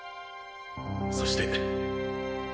そして